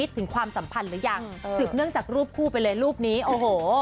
ถึงความสัมพันธ์หรือยังสืบเนื่องจากรูปคู่ไปเลยรูปนี้โอ้โห